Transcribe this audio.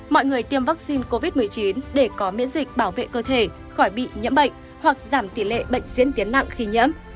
mọi người tiêm vaccine covid một mươi chín để có miễn dịch bảo vệ cơ thể khỏi bị nhiễm bệnh hoặc giảm tỷ lệ bệnh diễn tiến nặng khi nhiễm